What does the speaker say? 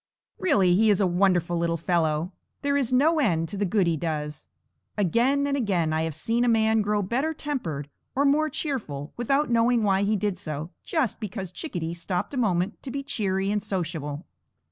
Really, he is a wonderful little fellow; there is no end to the good he does. Again and again I have seen a man grow better tempered or more cheerful, without knowing why he did so, just because Chickadee stopped a moment to be cheery and sociable.